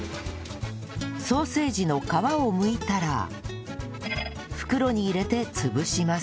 ソーセージの皮をむいたら袋に入れて潰します